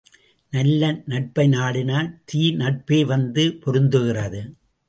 நல்ல நட்பைநாடினால் தீ நட்பேவந்து பொருந்துகிறது.